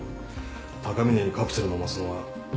高峰にカプセル飲ますのは無理やな。